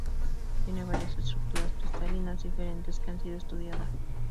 Tiene varias estructuras cristalinas diferentes que han sido estudiadas.